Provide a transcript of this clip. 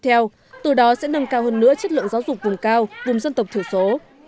tiếp theo từ đó sẽ nâng cao hơn nữa chất lượng giáo dục vùng cao vùng dân tộc thiểu số